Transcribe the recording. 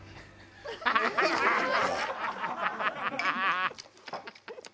「ハハハハ！」